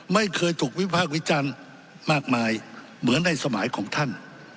ไม่เคยถูกวิพากษ์วิจารณ์มากมายเหมือนในสมัยของท่าน